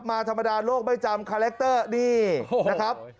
มาธรรมดาโลกไม่จำคาแรคเตอร์นี่นะครับ